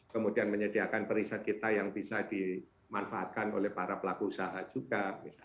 kemudian menyediakan periset kita yang bisa dimanfaatkan oleh para pelaku usaha juga